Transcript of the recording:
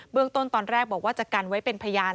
เรื่องต้นตอนแรกบอกว่าจะกันไว้เป็นพยาน